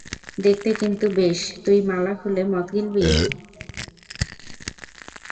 দেখতে কিন্তু বেস, তুই মালা খুলে মদ গিলবি?